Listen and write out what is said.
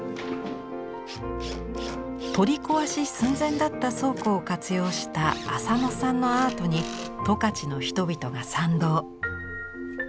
取り壊し寸前だった倉庫を活用した浅野さんのアートに十勝の人々が賛同。